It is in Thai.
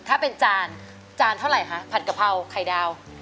ถ้าเป็นจานจานเท่าไหร่คะผัดกะเพราไข่ดาว